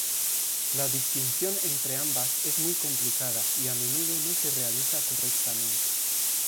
La distinción entre ambas es muy complicada y a menudo no se realiza correctamente.